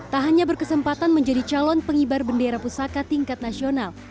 tak hanya berkesempatan menjadi calon pengibar bendera pusaka tingkat nasional